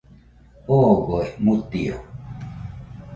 Ogoe mutio